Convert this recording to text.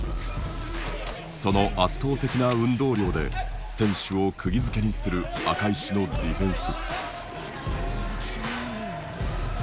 その圧倒的な運動量で選手をくぎづけにする赤石のディフェンス。